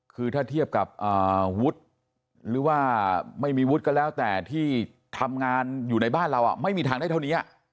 คือถ้าเทียบกับวุฒิหรือว่าไม่มีวุฒิก็แล้วแต่ที่ทำงานอยู่ในบ้านเราไม่มีทางได้เท่านี้